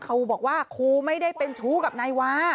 ครูบอกว่าครูไม่ได้เป็นชู้กับนายวา